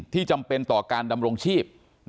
จำเป็นต่อการดำรงชีพ